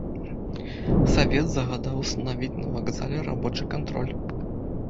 Савет загадаў устанавіць на вакзале рабочы кантроль.